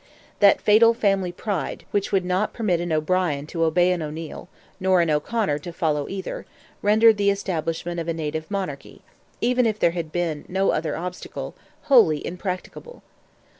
That fatal family pride, which would not permit an O'Brien to obey an O'Neil, nor an O'Conor to follow either, rendered the establishment of a native monarchy—even if there had been no other obstacle—wholly impracticable.